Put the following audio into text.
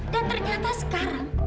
dan ternyata sekarang